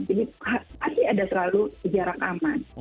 jadi pasti ada selalu jarak aman